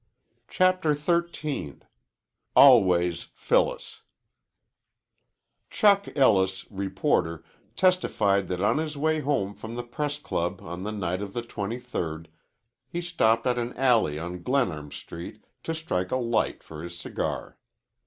CHAPTER XIII "ALWAYS, PHYLLIS" "Chuck" Ellis, reporter, testified that on his way home from the Press Club on the night of the twenty third, he stopped at an alley on Glenarm Street to strike a light for his cigar.